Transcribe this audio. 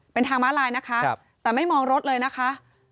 เป็นทางม้าลายนะคะแต่ไม่มองรถเลยนะคะ